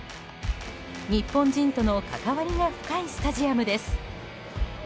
日本人との関わりが深いスタジアムです。